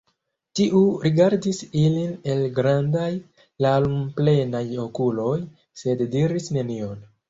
Tiu rigardis ilin el grandaj larmplenaj okuloj, sed diris nenion.